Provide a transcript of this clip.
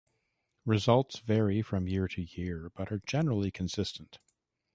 Results vary from year to year but are generally consistent.